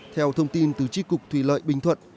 theo thông tin từ tri cục thủy lợi bình thuận